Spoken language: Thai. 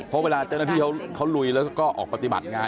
เพราะเวลาเจ้าหน้าที่เขาลุยแล้วก็ออกปฏิบัติงาน